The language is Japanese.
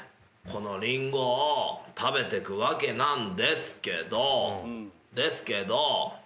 このりんごを食べてくわけなんですけど。ですけど。